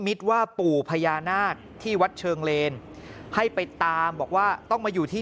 ว่าปู่พญานาคที่วัดเชิงเลนให้ไปตามบอกว่าต้องมาอยู่ที่